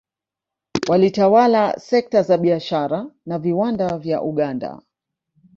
Walitawala sekta za biashara na viwanda vya Uganda